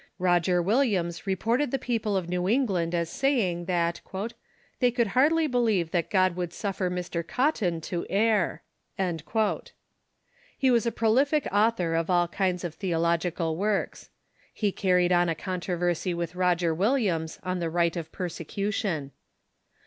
Roger Williams reported the people of New England as say ing that " they could hardly believe that God would suffer ]Mr. Cotton to err." He was a prolific author of all kinds of theological works. He carried on a controversy with Roger Williams on the right of persecution.